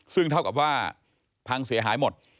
ซึ่งเท่ากับว่าพังเสียหายหมด